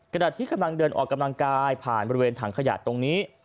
ขณะที่กำลังเดินออกกำลังกายผ่านบริเวณถังขยะตรงนี้